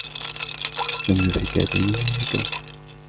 دمج فكرتين في فكرة.